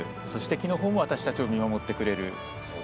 そして、木のほうも私たちも見守ってくれる。